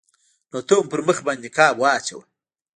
نو ته هم پر مخ باندې نقاب واچوه.